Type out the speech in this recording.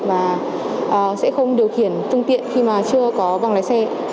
và sẽ không điều khiển phương tiện khi mà chưa có bằng lái xe